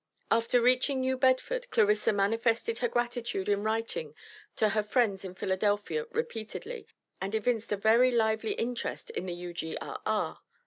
After reaching New Bedford, Clarissa manifested her gratitude in writing to her friends in Philadelphia repeatedly, and evinced a very lively interest in the U.G.R.R.